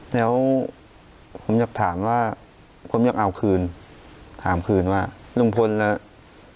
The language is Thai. แล้วผมอยากถามว่าผมอยากเอาคืนถามคืนว่าลุงพลแล้ว